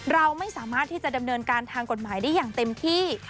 เราไม่สามารถที่จะดำเนินการทางกฎหมายได้อย่างเต็มที่